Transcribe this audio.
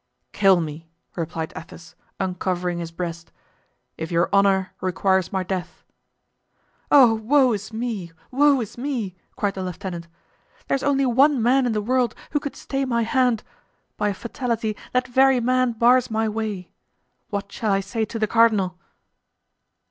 "Kill me!" replied Athos, uncovering his breast, "if your honor requires my death." "Oh! woe is me! woe is me!" cried the lieutenant; "there's only one man in the world who could stay my hand; by a fatality that very man bars my way. What shall I say to the cardinal?"